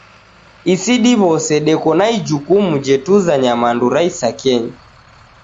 Isi diw'ose deko na ijukumu jetuza nyamandu ra isakenyi.